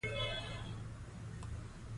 ملالۍ به د فداکارۍ لوړ نوم ساتلې وو.